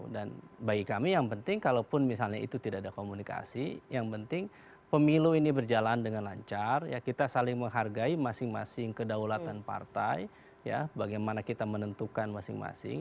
dan bagi kami yang penting kalaupun misalnya itu tidak ada komunikasi yang penting pemilu ini berjalan dengan lancar ya kita saling menghargai masing masing kedaulatan partai ya bagaimana kita menentukan masing masing